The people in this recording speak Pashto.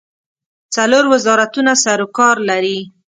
څلور وزارتونه سروکار لري.